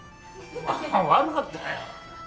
悪かったよ。